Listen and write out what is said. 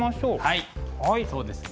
はいそうですね。